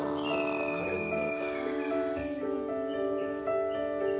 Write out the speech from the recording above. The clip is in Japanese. かれんな。